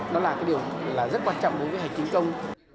nó là cái điều là rất quan trọng đối với hành chính công